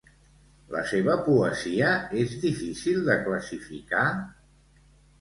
La seva poesia és difícil de classificar?